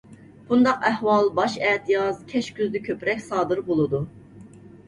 بۇنداق ئەھۋال باش ئەتىياز، كەچ كۈزدە كۆپرەك سادىر بولىدۇ.